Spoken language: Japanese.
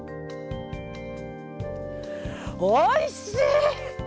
おいしい！